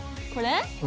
これ？